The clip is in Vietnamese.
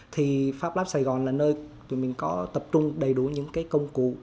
thì fablab sài gòn là nơi tụi mình có tập trung đầy đủ những cái công cụ